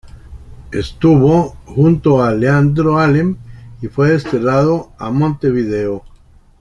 Estuvo junto a Leandro N. Alem y fue desterrado a Montevideo.